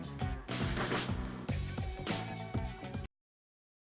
soalnya yang menurut saya sedikit yang coba berpikiran pertolongan ini dengan penolongan tempat berdiskusi